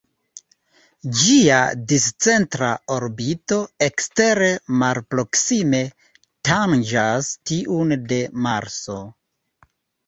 Ĝia discentra orbito ekstere malproksime tanĝas tiun de Marso.